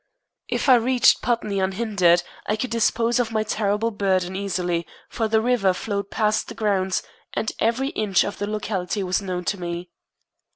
If I reached Putney unhindered, I could dispose of my terrible burden easily, for the river flowed past the grounds, and every inch of the locality was known to me.